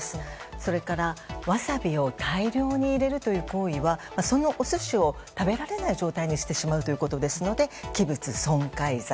それからワサビを大量に入れるという行為はそのお寿司を食べられない状態にしてしまうということですので器物損壊罪。